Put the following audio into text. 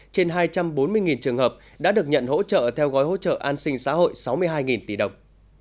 trên hai trăm bốn mươi trường hợp đã được nhận hỗ trợ theo gói hỗ trợ an sinh xã hội sáu mươi hai tỷ đồng